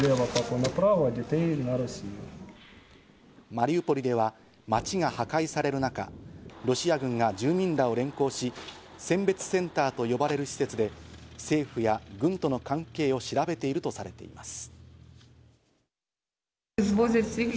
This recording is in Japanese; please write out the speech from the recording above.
マリウポリでは街が破壊される中、ロシア軍が住民らを連行し、選別センターと呼ばれる施設で、政府や軍との関連を調べているとされています。